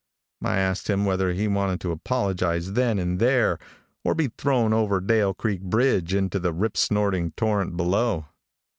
I asked him whether he wanted to apologize then and there or be thrown over Dale Creek bridge into the rip snorting torrent below.